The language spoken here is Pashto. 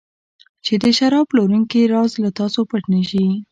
چې د شراب پلورونکي راز له تاسو پټ نه شي.